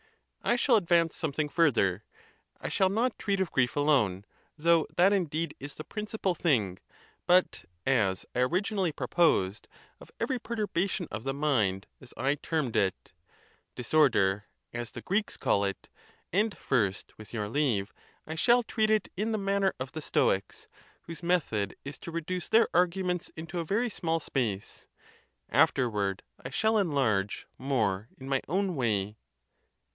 I shall advance something further. I shall not treat of grief alone, though that indeed is the principal thing; but, as I originally proposed, of every perturbation of the mind, as I termed it; disorder, as the Greeks call it: and first, with your leave, I shall treat it in the manner of the Stoics, whose method is to reduce their arguments into a very small space; afterward I shall enlarge more in my own way.